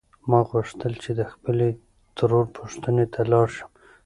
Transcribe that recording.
ما غوښتل چې د خپلې ترور پوښتنې ته لاړ شم.